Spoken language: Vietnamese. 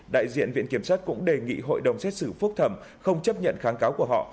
đại diện viện kiểm sát cũng đề nghị hội đồng xét xử phúc thẩm không chấp nhận kháng cáo của họ